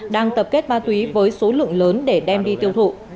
đang tập kết ma túy với số lượng lớn để đem đi tiêu thụ